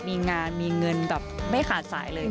มีงานมีเงินแบบไม่ขาดสายเลย